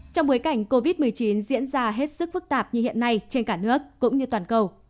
trong bối cảnh covid một mươi chín diễn ra hết sức phức tạp như hiện nay trên cả nước cũng như toàn cầu